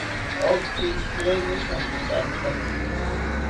Oki sheeni shampityakitaki